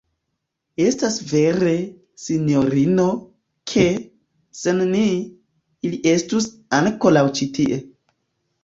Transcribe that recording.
Estas vere, sinjorino, ke, sen ni, ili estus ankoraŭ ĉi tie.